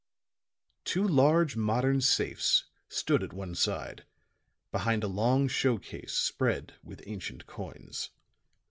Two large modern safes stood at one side, behind a long show case spread with ancient coins.